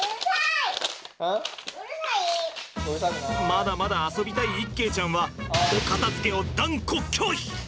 まだまだ遊びたい一慶ちゃんはお片づけを断固拒否！